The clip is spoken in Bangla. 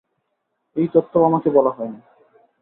এই তথ্যও আমাকে বলা হয় নি।